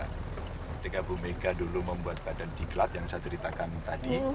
ketika bu mega dulu membuat badan diklat yang saya ceritakan tadi